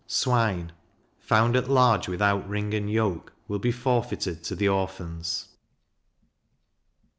Swine found at large without ring and yoke, will be forfeited to the Orphans.